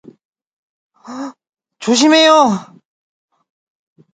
조심해요.